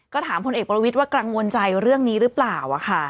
ก็ถามพลเอกประวิทย์ว่ากังวลใจเรื่องนี้หรือเปล่า